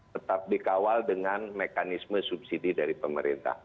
tetap dikawal dengan mekanisme subsidi dari pemerintah